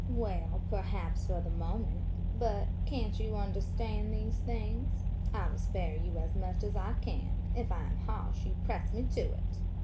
'Well, perhaps, for the moment. But–can't you understand these things? I will spare you as much as I can; if I am harsh you press me to it.'